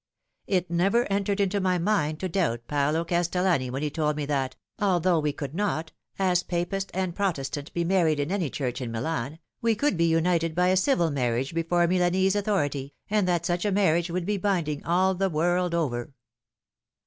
It never entered into my mind to doubt Paolo Castel lani when he told me that, although we could not, as Papist and Protestant, be married in any church in Milan, we could be united by a civil marriage before a Milanese authority, and that such a marriage would be binding all the world over.